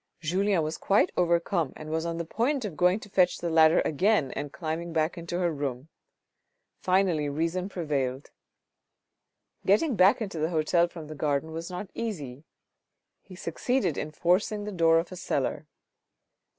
Julien was quite overcome and was on the point of going to fetch the ladder again and climbing back into her room. Finally reason prevailed. Getting back into the hotel from the garden was not easy. He succeeded in forcing the door of a cellar.